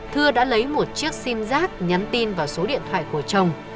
thưa đã lấy một chiếc sim giác nhắn tin vào số điện thoại của chồng